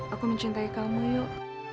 aku mencintai kamu yuk